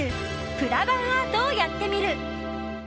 プラバンアートをやってみる。